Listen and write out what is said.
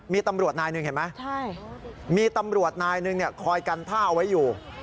มีตำรวจนายหนึ่งเห็นไหมมีตำรวจนายหนึ่งคอยกันท่าเอาไว้อยู่